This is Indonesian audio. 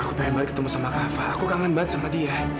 aku pengen balik ketemu sama kava aku kangen banget sama dia